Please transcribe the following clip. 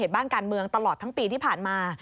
บ้านการเมืองตลอดทั้งปีที่ผ่านมา